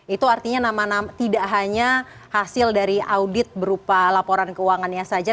itu artinya nama nama tidak hanya hasil dari audit berupa laporan keuangannya saja